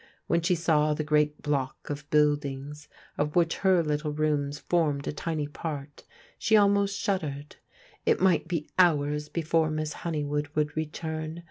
When she saw the great block of buildings, of which her little rooms formed a tiny part, she almost shuddered. It might be hours before Miss Hone3rwood would return.